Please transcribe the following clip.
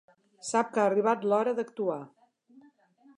Sap que ha arribat l'hora d'actuar.